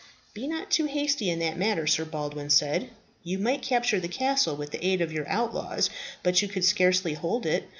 "Be not too hasty in that matter," Sir Baldwin said. "You might capture the castle with the aid of your outlaws; but you could scarcely hold it.